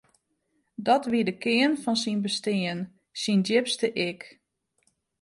Dat wie de kearn fan syn bestean, syn djipste ik.